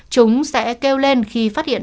chúng sẽ kêu lên khi phát hiện